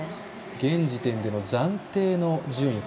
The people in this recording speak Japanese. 現時点での暫定の順位。